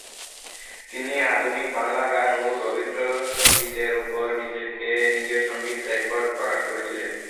তিনি আধুনিক বাংলা গান এবং রবীন্দ্র সঙ্গীতের উপর নিজের সঙ্গীত রেকর্ড প্রকাশ করেছিলেন।